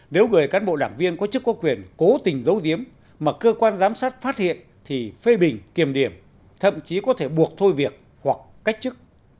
nếu người cán bộ đảng viên có chức có quyền cố tình giấu giếm mà cơ quan giám sát phát hiện thì phê bình kiềm điểm thậm chí có thể buộc thôi việc hoặc cách chức